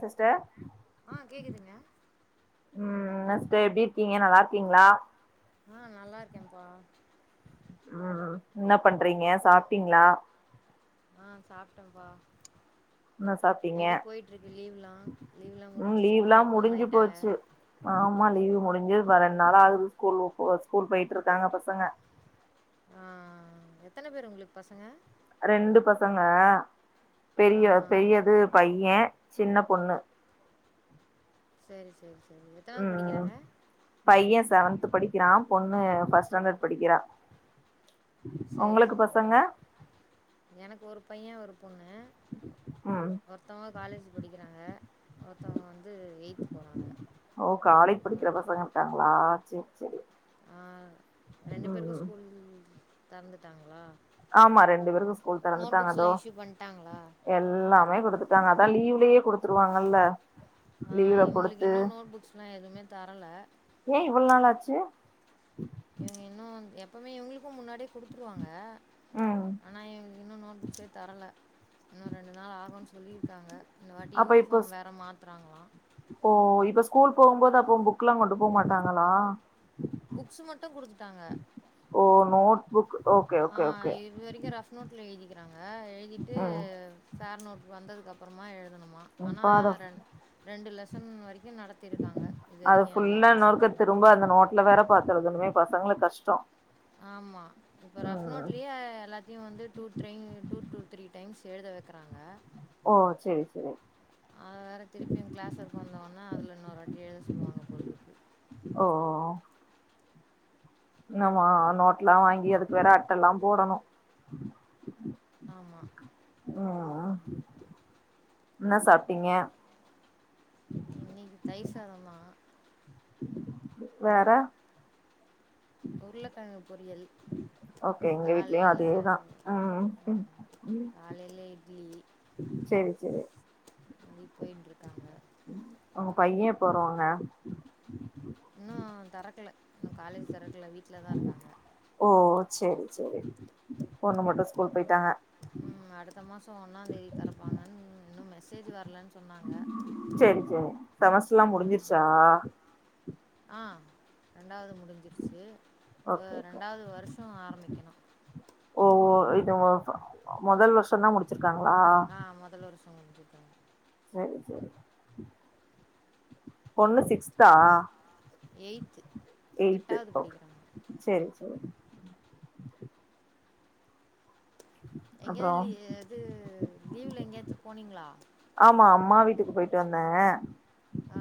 Sister ஆ கேக்குதுங்க உம் என்ன சிஸ்டர் எப்படி இருக்கீங்க நல்லா இருக்கீங்களா ஆ நல்லா இருக்கேன்ப்பா உம் என்ன பண்றீங்க சாப்ட்டீங்களா ஆ சாப்ட்டேப்பா என்ன சாப்ட்டீங்க எப்படி போயிட்டு இருக்கு லீவ் எல்லா லீவ் எல்லா ம் முடிஞ்சு லீவ்லா ஸ்கூல் ஓபன் முடிஞ்சு பண்ணிட்டாங்க போச்சு ஆமா லீவு முடிஞ்சு வர ரெண்டு நாள் ஆகுது ஸ்கூல் ஒப்ப ஸ்கூல் போயிட்டு இருக்காங்க பசங்க ஆ எத்தன பேரு உங்களுக் பசங்க ரெண்டு பசங்க ஆ பெரிய ஆ பெரியது பைய சின்ன பொண்ணு சரி சரி சரி எத்தனாவது உம் படிக்கிறாங்க பைய செவன்த் படிக்கிறா பொண்ணு ஃபஸ்ட் ஸ்டாண்டர்ட் படிக்கிறா சரி உங்களுக்கு சரி பசங்க எனக்கு ஒரு பைய ஒரு பொண்ணு ம் ஒருத்தங்க காலேஜ் படிக்கிறாங்க ஒருத்தங்க வந்து எயி்ட்த் போறாங்க ஓ காலேஜ் படிக்கிற பசங்க இருக்காங்களா சேரி சேரி ஆ ரெண்டு பேருக்கு ம் ஸ்கூல் திறந்துட்டாங்களா ஆமா ரெண்டு பேருக்கு ஸ்கூல் திறந்துட்டாங்க இதோ இஷ்யூ பண்ட்டாங்களா எல்லாமே கொடுத்து அதா லீவ்லயே கொடுத்துருவாங்கல்ல ஆ இவங்களுக்கு இன்னு நோட் புக்ஸ் எல்லா எதுவுமே தரல ஏ இவ்ளோ நாள் ஆச்சு இவங்க இன்னு எப்பவுமே இவங்களுக் அதுக்கு முன்னாடியே கொடுத்துருவாங்க ம் ஆனா இன்னு நோட் புக்ஸே தரல இன்னு ரெண்டு நாள் ஆகும்ன்னு சொல்லிருக்காங்க இந்த வாட்டி அப்ப இப்ப யூனிஃபார்ம் வேற மாத்துறாங்களா கூல் போகுபோது அப்போ புக் எல்லா கொண்டு போ மாட்டாங்களா புக்ஸ் மட்டு குடுத்துட்டாங்க ஓ நோட் புக் ஓகே ஆ ஓகே ஓகே இது வரைக்கு ரஃப் நோட்டல எழுதிக்க ஆ பர் நோட் வந்ததுக்க அப்புறமா எழுதணுமா ஆனா இப்ப அத ரெ ரெண்டு லஸ அது எல்லா ஃபுல்லா இன்னொருக்க போர்ஷன்ஸ்லயு திரும்ப அந்த நோட்ல வேற பார்த்து எழுதனுமே பசங்களுக் கஷ்டோ ஆமா இப்ப ரஃப் ம் நோட்லயே எல்லாத்தியு வந்து two trying two two three times. எழுத வைக்கிறாங்க. ஓ செரி செரி. அத வேற திரிப்பியு க்ளாஸ் ஒர்க் வந்தோன அதுல இன்னொர் வாட்டி எழுத சொல்வாங்க போல் இருக் ஓ நம் மா நோட்லா வாங்கி அதுக்கு வேற அட்டலா போடணு ஆமா ஆ என்ன சாப்டீங்க. இன்னைக்கி தயிர் சாதந்தா. வேற உருளக்கெழங்கு பொறியல் ஓக்கே எங்க வீட்லையு அதேதா உ உம் ம். உ காலையில இட்லி. செரி செரி போயிட்டு இருக்காங்க உங்க பைய எப்போ வருவாங்க இன்னு தொரக்கல இன்னு காலேஜ் தொரக்கல வீட்ல தா‌‌ இருக்காங்க ஓ சேரி சேரி பொண்ணு மட்டு ஸ்கூல் போய்ட்டாங்க ஒன்னாந்தேதி தெரப்பாங்கன்னு இன்னு மெசேஜ் வர்லன்னு சொன்னாங்க. சேரி சேரி செமஸ்ட்ரெல்லா முடுஞ்சிருச்சா ஆ ரெண்டாவது முடுஞ்சிருச்சு உ ஓகே ஓகே ரெண்டாவது வருஷோ ஆரம்பிக்கணு ஓஹோ மொதல் வருஷந்தா முடுச்சுருக்காங்ளா ஆ [unintelligible] செரி செரி பொண்ணு சிக்ஸ்தா எயி்த்து எய்ட்த்து எட்டாவது ஓகே படிக்கிறாங்க செரி செரி அப்றோ எங்கயாது இது லீவ்ல எங்கயாச்சு போனீங்ளா ஆமா அம்மா வீட்டுக்கு போயிட்டு வந்தேன். ஆ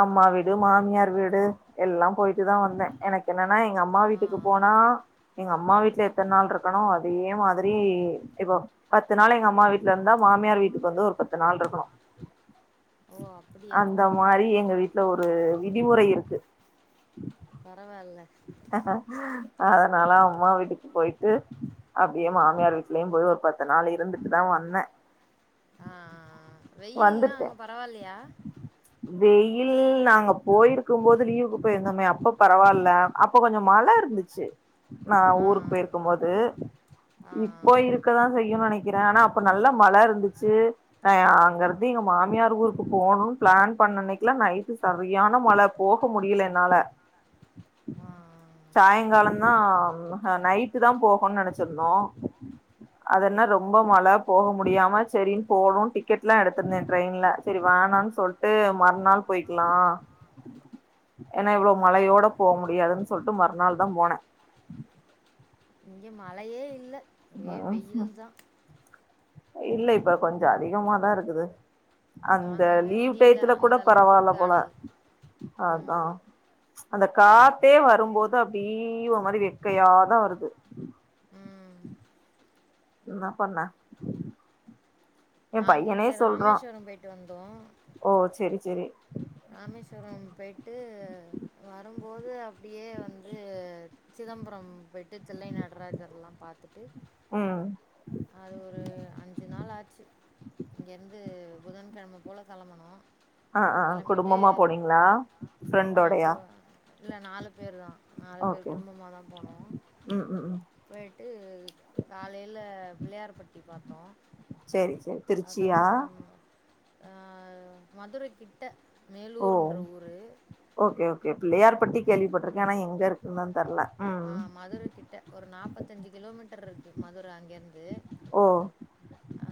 அம்மா வீடு மாமியார் வீடு எல்லா போயிட்டுதா வந்தேன் எனக்கென்ன நா எங்க அம்மா ஆ ஆ வீட்டுக்கு போனா எங்க அம் அம்மா வீட்ல எத்தன நாள் இருக்கணோ அதே மாரி இப்ப பத்து நாள் எங்க அம்மா வீட்லருந்தா மாமியார் வீட்டுக்கு வந்து ஒரு பத்து நாள் இருக்கணும். ஓ அப்டியா நா ஒரு விதிமுறை இருக்கு பரவால்ல நானெல்லா அம்மா வீட்டுக்கு போய்ட்டு அப்டியே ஆ மாமியார் வீட்லயும் போய் ஒரு ப த்து நாள் இருந்துட்டுதா வந்தேன் ஆ வெய்யில்லா அங்க பரவால்லயா இல் நாங்க போயிர்க்கும்போது லீவுக்கு போயிர்ந்தோமே அப்போ பரவால அப்ப கொஞ்சோ மழை இருந்துச்சு நா ஆ ஊருக்கு போயிர்க்கும்போது ஆ ஆ ஆ இப்ப இருக்கதான் செய்யுனு நெனைக் க்குறேன் ஆனா அப்ப நல்லா மழை இருந்துச்சு அ அங்கிருந்து எங்க மாமியார் ஊருக்கு போணுனு ப்ளான் பண் பண்ண அன்னைக்கெல்லா நைட்டு சரியான மழை போக முடில என்னால ஆ ஆ சாய்ங்காலந்தா ஹ நைட்டுதா போகணுனு நெனச்சிருந்தோ அதுனா ரொம்ப மழை போக முடியாம செரின்னு போவோனு டிக்கெட்ல்லா எடுத்திருந்தேன் ட்ரெயின்ல செரி வா வேணானு சொல்ட்டு மறுநாள் போய்க்லா எஏனா இவ்ளோ மழையோட போ முடியாதுன்னு சொல்ட்டு மறுநாள்தா போனே இங்க மழையே இல்ல ஒரே ம் வெயில்தா இல்ல இப்ப கொஞ்சோ அதிகமாதா இருக்குது. அந்த தாங்கவே லீவ் முடியல டைத்துல கூட அந்த அளவுக்கு பரவால இருக்கு போல அனல் அதா ம் அந்த காத்தே வரும்போது அப்டி ஒரு மாரி வெக்கையாதா வருது. ம் உம் என்ன பண்ண எ நாங்க பையனே இங்க சொல்றா ராமேஸ்வரம் போயிட்டு வந்தோ ஓ செரி செரி ராமேஸ்வரம் போயிட்டு வரும்போது அப்டியே வந்து சிதம்பரம் போயிட்டு தில்லை நடராஜர் எல்லாம் பாத்துட்டு ம் அது ஒரு அஞ்சு நாள் ஆச்சு இங்கிருந்து புதன்கிழமை போல கெளம்பினோ அ ஆ குடும்பமா போனீங்ளா ஆ கு ஃப்ரெண்டோடயா இல்லை நாலு பேர் தான் நாலு பேர் குடும்பமாதா போனோ ம் ம் ம் ட்டு காலைல பிள்ளையார் பட்டி பாத்தோ செரி செரி திருச்சியா ஆ மதுரை கிட்ட ஓ மேலூர்ன்ற ஊர் ஓகே ஓகே பிள்ளையார் பட்டி கேள்விப்பட்டிருக்கேன் ஆனா எங்க இருக்குன்னுதா தெர்ல ஆ ம் மதுரை கிட்ட ஒரு நாப்பத்தஞ்சு கிலோமீட்டர் இருக்கு மதுரை அங்கிருந்து ஓ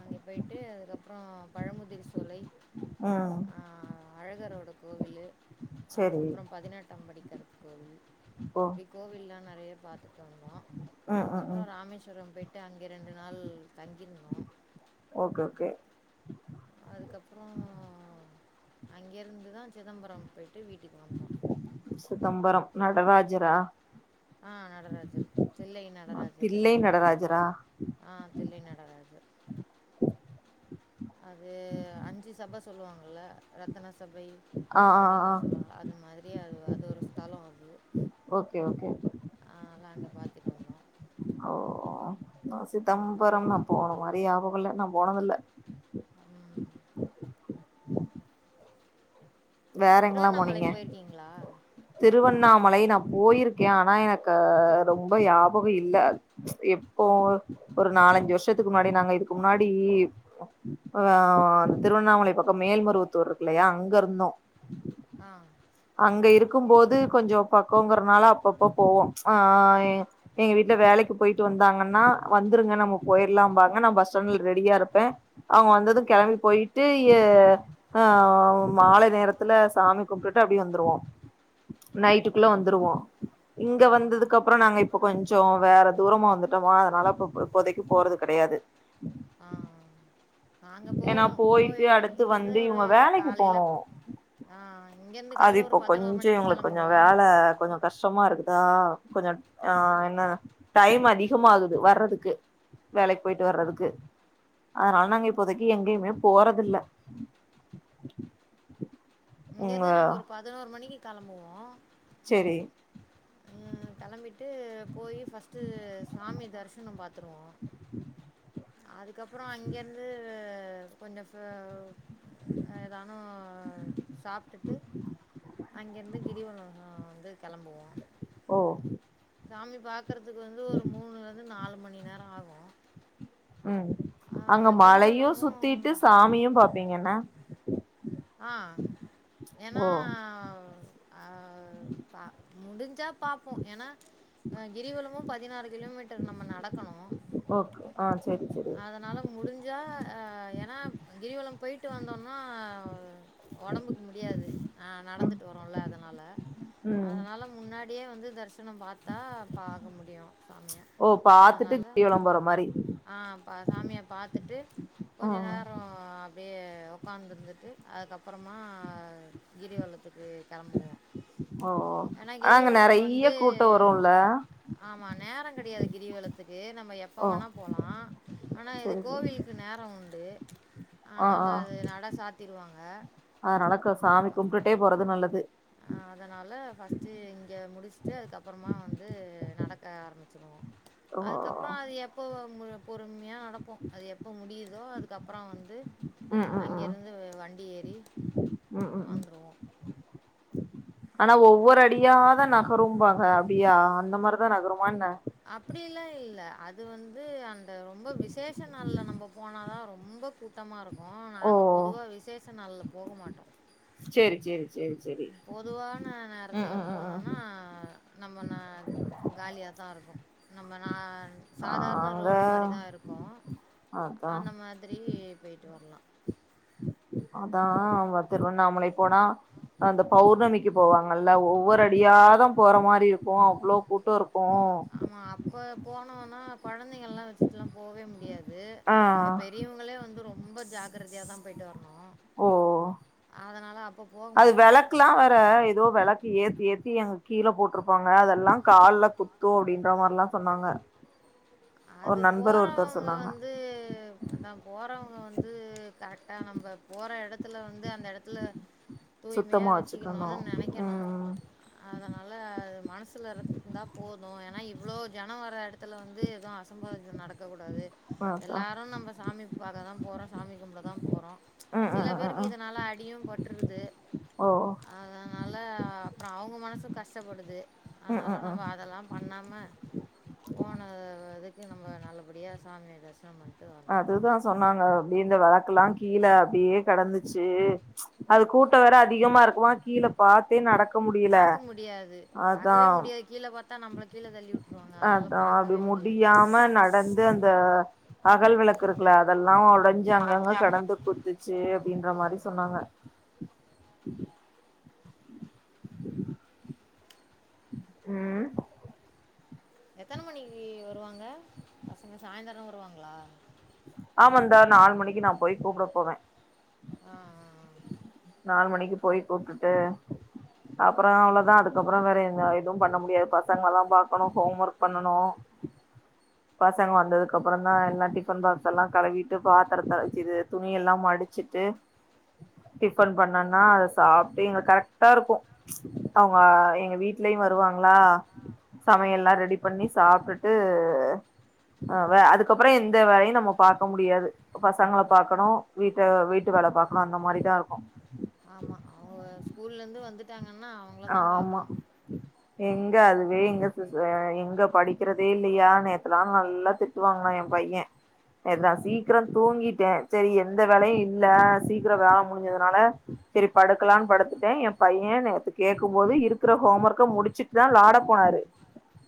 அங்க போயிட்டு அதுக்கப்றோ பழமுதிர் சோலை ம் ஆ அழகரோட கோவிலு செரி அதுக்கப்புறம் பதினெட்டாம்படி கருப் கோவில் ஓ இப்டி கோவில்லா நறைய பாத் [inaudible] ம் அக்கப்றோ ம் ராமேஷ்வரம் போயிட்டு அங்க ரெண்டு நாள் தங்கிருந்தோ ஓகே ஓகே அதுக்கப்றோ அங்கேருந்துதா சிதம்பரம் போய் சிதம்பரம் நடராஜரா ஆ நடராஜர் தில்லை நடராஜர்ன்னு தில்லை சொல்லுவாங்க நடராஜரா ஆ தில்லை நடராஜர் அது அஞ்சு சபஸ் சொல்லுவாங்கல்ல ரத்தனஸ் சபை ஆ ஆ அப்டின்லா ஆ சொல்லுவாங்க அது மாதிரியே அது அது ஒரு ஸ்தலோ அது ஓகே ஓகே ஆ அத்லா அங்க பாத்துட்டு வந்து ஆ சிதம்பரம் நா போன மாரா யாபகல்ல நா போனதில்ல ம். உம் வேறெங்கலா திருவண்ணாமலை போனீங்க போயிருக்கீங்களா திருவண்ணாமலை நாப் போயிருக்கே ஆனா எனக்கு ரொம்ப யாபகோ இல்ல எப்போ ஒரு நா நாலஞ்சு வருஷத்துக்கு முன்னாடி நாங்க இதுக்கு முன்னாடி ஆ திருவண்ணாமலை பக்கம் மேல்மரு த்தூர் இருக்கவில்லையா அங்கருந்தோ ஆ கும் போது கொஞ்சோ பக்கங்கிறனால அப்பப்ப போவோ ஆ எங்க வீட்ல வேலைக்கு போயிட்டு வ ந்தாங்கன்னா வந்துருங்க நம்ம போயிர்லாம்பாங்க நா பஸ்டாண்ட்ல ரெடியா இருப்பே அவங்க வந்தது கெளம்பி போ போயிட்டு ஏ ஆ மாலை நேரத் த்துல சாமி கும்ப்டுட்டு அப்டியே வந்துருவோ நைட்டுக்குள்ள வந்துருவோ இங்க ஆ வந்ததுக்கப்றோ நாங்க இப் ப கொஞ்சோ வேற தூரமா வந்துட்டோமா அதனால இப்ப் இப்போதைக் போறது கெடையாது ஆ நாங்க ஏனா போவோ போயிட்டு போய் அடுத்து இங்கேருந்து வந்து ஒரு இவுங்க வேலைக்கு காலையில போணூ ஆ இங்கேருந்து அது காலைல ஒரு இப்போ பதினோரு கொஞ்சோ மணிக்கு எங்களுக் கொஞ்சோ கெளம்புவோ வேல கொஞ்சோ கஷ்டம் மாருக்குதா கொஞ்ச ஆ என்ன டைம் அதிகமாகுது வர்றதுக்கு வேலைக்கு போயிட்டு வர்றதுக்கு அதனால நாங்க இப்போதைக்கு எங்கேயுமே போறதில்ல உங்க இங்கருந்து நாங்க ஒரு பதினோரு மணிக்கு களம்புவோ சரி ம் களம்பிட்டு போயி ஃபஸ்ட்டு சாமி தரிஸ் சுனோ பாத்தருவோ அதுக்கப்புறோ அங்கேர்ந்து அ கொஞ்சோ ஃப்ரவ் எதானூ சாப்டுட்டு அங்கருந்து கிரிவலோ வந்து களம்புவோ ஓ சாமி பாக்குறதுக்கு வந்து ஒரு உம் மூணுலேருந்து நாலு மணி நேரோ ஆகூ ம் அங்க மலையூ சுத்திட்டு சாமியூ பாப்பீங்கன்னா ஆ ஓ ஏனாவ் அ த முடிஞ்சா பாப்போ ஏனா கிரிவலமூ பதினாறு கிலோமீட்டர் நம்ம நடக்கணூ ஓக் ஆ செரி செரி அதனால முடிஞ்சா அ ஏனா கிரிவலம் போயிட்டு வந்தோன்னா ஒடம்புக்கு முடியாது ஆ நடந்துட்டு வரோல அதனால ம் அதனால முன்னாட் டியே வந்து தரிசனோ பாத்தா பாக்க முடியு சாமிய ஓ பாத்துட்டு அதனால கிரிவலம் போற மாரி ஆ ப சாமிய பாத்துட்டு கொஞ்ச ம் நேர அப்டியே உக்காந்துருந்துட்டு அதுக்கப்பறமா கிரிவலத்துக்கு கெளம்புவோ ஓ ஆனா அங்க நறைய வந்து கூட்ட வருல்ல கெடையாது கிரிவலத்துக்கு நம்ம எப்ப ஓ வேணா போலா ஆனா இது செரி செரி கோவிலுக்கு நேர உண்டு ஆ ஆ ஆனாலா அது நட சாத்திருவாங் அதனால க சாமி கும்ப்ட்டுட்டே போறது நல்லது அ அதனால ஃபஸ்ட்டு இங்க முடிச் ஞ்சு அதுக்கப்பறமா வந்து நடக்க ஆரம்பிச்ருவோ ஓ அதுக்கப்ற அது எப்ப மு பொறும்யா நடப்போ அது எப்ப முடியுதோ அதுக்கப்புற வந்து ம் ம் ம் அங்கிருந்து வண்டி ஏறி ம் ம் ம் வந்ருவோ ஆனா ஒவ்வொரு அடியாதா நகரும் பாங்க அப்டியா அந்த மாரிதா நகருமா என்ன அப்பிடி எல்லா இல்ல அது வந்து அந்த ரொம்ப விசேஷ நாள்ல நம்ப போனாதா ரொ ரொம்ப கூட்டமா இருக்கு ஓ நாங்க பொதுவா விசேஷ நாள்ல போக மாட்டோ சேரி சேரி சேரி சேரி பொதுவான ம் நேரத்துல ம் ம் ம் போனோனா நம்ம ந காலியாதா இருக் கு நம்ம நா சாதாரண நாங்க ரோடு மாரிதா இருக்கு அதா அந்த மாதிரி போய்ட்டு வர்லா அதா அவ திருவண்ணாமலை போனா அந்த பௌர்ணமிக்கு போவாங்கல்ல ஒவ்வொரு அடியாதா போற மாரி இருக்கு அவ்ளோ கூட்ட இருக் ஆமா அப்ப போனோனா கொழந்தைங்கள்லா வச்சுட்டெல்லா போவே முடியாது ஆ து நம்ம பெரியவங்களே வந்து ரொம்ப ஜாக்கிரதையாதா போய்ட்டு வர் ஓ அப்ப போக அது மாட்டோம். வெளக்லா வேற ஏதோ வெளக் ஏத்தி ஏத்தி அங்க கீழ போட்ருப்பாங்க அதெல்லா கால்ல குத்து அப்டின்ற மார்லா சொன்னாங்க ஒரு அது நண்பர் ஒருத்தர் போறவங்க சொன்னாங்க வந்து அதா போறவங்க வந்து கரெக்டா நம் ப போற எடத் த வந்து அந்த எடத்துல தூய்மையா சுத்தமா வச்சுக்கணு வெச்சுக்கணுன் நெனைக்கணு ம் அதனால மனசுல இருந்தா போது ஏனா இவ்ளோ ஜன வர எடத்துல வந்து எது அசம்பவித நடக்கக்கூடாது அதா எல்லாரு நம்ம சாமி பாக்கதா போறோ சாமி கும்படதா போறோ ம் சில ம் ம் பேருக்கு ம் இதனால அடியு பட்ருது ஓ அதனால அப்ற அவுங்க மனசுக்கு கஷ்டப்படுது ம் அதனால ம் ம் நம்ம அதெலா பண்ணாம போனது எதுக்கு நம்ம நல்லபடியா சாமிய தரிசன பண் அதுதா சொன்னாங்க அப்டி இந்த வெளக்கெலா கீழ அப்டியே கெடந்துச்சு அது கூட்ட வேற அதிகமா இருக்குமா கீழ பாத்தே நடக்க முடியல பாக்க முடியாது அதா பாக்கவே முடியாது கீழ பாத் அதா அது முடியாது முடியாம நடந்து அந்த அகல் வெளக்கு இருக்குல அதெல்லா ஓடஞ்சு அங்கங்க கெடந்து குத்துச்சு அப்டின்ற ஆ மாரி சொன்னாங்க ம் எத்தன மணிக்கு வருவாங்க பசங்க சாயந்தர வருவாங்ளா ஆமான்டா நாலு மணிக்கு நா போயி கூப்ட போவ ஆ ஆ அ நாலு மணிக்கு போய் கூப்டுட்டு அப்ற அவ்ளவதா அதுக்கப்புற வேற எந்த எதுவு பண்ண முடியாது பசங்களதா பாக்கணு ஹோம் ஒர்க் பண்ணணு பசங்க வந்ததுக்கப்புறந்தா எல்லா டிஃபன் பாகஸ் எல்லா கழுவிட்டு பாத்தரத்த ச் இது துணி எல்லா ம டிச்சிட்டு டிஃபன் பண்ணனா அத சாப்ட்டு இங்க கரெக்டா இருக்கு அவுங்க எங்க வீட்லயு வருவாங்க ளா சமையல்லா ம் ரெடி பண்ணி சாப்டுட்டு அ வ அதுக்கப்புற எந்த வேலையு நம்ம பாக்க முடியாது பசங்கள பாக்கணு வீட்ட வீட்டு வேல பாக்கனு அந்த மாரிதா இருக்கு ஆமா அவங்க ஸ்கூல்ல இருந்து வந்துட்டாங் ஆமா எங்க அதுவே எங்க சிஸ் எங்க படிக்கிறதே இல்லையா நேத்தலா நல்லா திட்டு வாங்னா எம் பைய நேத்து நா சீக்கிர தூங்கிட்ட செரி எந்த வேலையு இல்ல சீக்கிர வேல முடிஞ்சதுனால செரி படுக்கலானு படுத்துட்டே எம் பைய நேத்து கேக்கும்போது இருக்கிற ஹோம் ஒர்க்க முடிச்சுட்டுதா விளாட போனாரு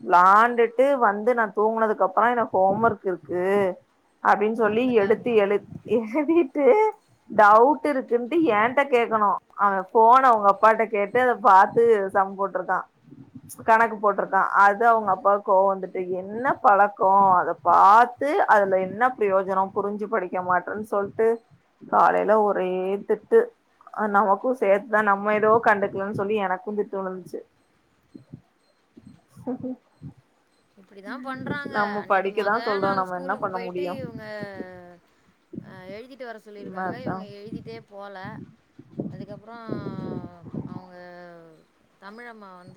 விளாண்டுட்டு வந்து நா தூங்குனதுக்கு அப்பறோ எனக்கு ஹோம் ஒர்க் இருக்கு அப்டின்னு சொல்லி எடுத்து மறந்துட்டாங்களா எழு எழுதி ட்டு டவுட் இருக்கு என்ட்ட கேக்கணு அவ ஃபோன அவங்க அப்பாட்ட கேட் டு அத பாத்து சம் போட்டுருக்கா கணக்கு போட்டுருக்கா அது அவங்க அப்பாவுக்கு கோவம் வந்துட்டு என்ன பழக்கோ அத பாத்து அதுல என்ன பிரயோஜனம் புரிஞ்சு படிக்க மாட்றன்னு சொல்லி ட்டு காலையில ஒரே திட்டு அ நமக்கும் சேத்துதா நம்ம ஏதோ கண்டு கலனு சொல்லி எனக்கு திட்டுவுழுந்துச்சு இப்படிதா பண்றாங்க அன்னைக்கு மொத சொல்றோ நாள் நம்ம என்ன ஸ்கூலுக்கு பண்ண போயிட்டு முடியு இவங்க அ எழுதிட்டு வர சொல்லியிருக்காங்க அதா இவங்க எழுதிட்டே போல அதுக்கப்பறோ அவங்க தமிழ் அம்மா வந்து